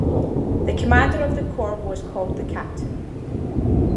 The commander of the corps was called the Captain.